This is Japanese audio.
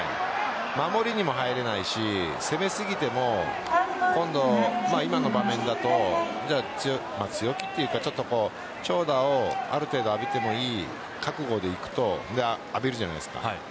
守りにも入れないし攻めすぎても今の場面だと強気というか長打をある程度浴びてもいい覚悟でいくと浴びるじゃないですか。